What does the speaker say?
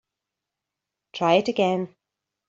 Try it again.